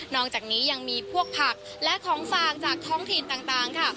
อกจากนี้ยังมีพวกผักและของฝากจากท้องถิ่นต่างค่ะ